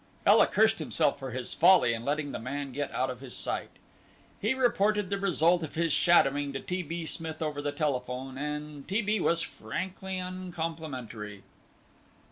Ela cursed himself for his folly in letting the man out of his sight. He reported the result of his shadowing to T. B. Smith over the telephone, and T. B. was frankly uncomplimentary.